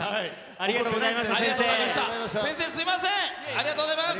ありがとうございます。